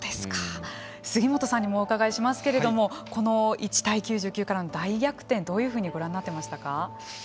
杉本さんにもお伺いしますけれどもこの１対９９からの大逆転どういうふうにご覧になってましたか。